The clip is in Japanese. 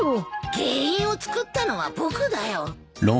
原因をつくったのは僕だよ。